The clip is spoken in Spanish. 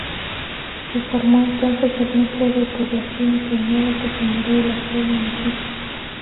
Se formó entonces el núcleo de población pionero que generó el actual municipio.